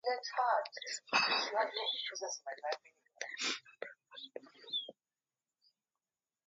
It is often heavily jewelled, with diamonds and precious stones.